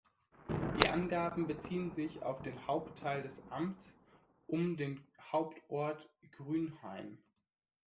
Die Angaben beziehen sich auf den Hauptteil des Amts um den Hauptort Grünhain.